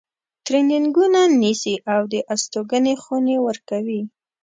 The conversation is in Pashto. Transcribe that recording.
ترینینګونه نیسي او د استوګنې خونې ورکوي.